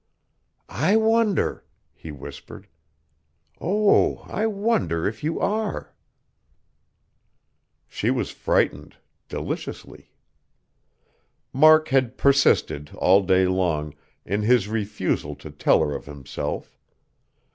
"I wonder!" he whispered. "Oh I wonder if you are...." She was frightened, deliciously.... Mark had persisted, all day long, in his refusal to tell her of himself.